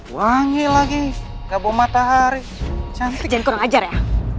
wangi lagi gak bau matahari jangan kurang ajar ya